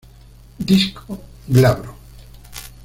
Disco glabro.